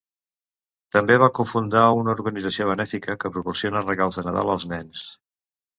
També va cofundar una organització benèfica que proporciona regals de Nadal als nens.